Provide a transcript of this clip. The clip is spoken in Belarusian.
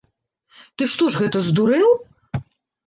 Ты што ж гэта, здурэў?!